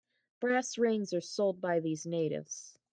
Brass rings are sold by these natives.